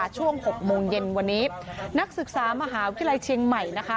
ช่วง๖โมงเย็นวันนี้นักศึกษามหาวิทยาลัยเชียงใหม่นะคะ